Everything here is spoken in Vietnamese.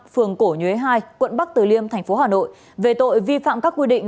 phường cổ nhuế hai quận bắc từ liêm tp hà nội về tội vi phạm các quy định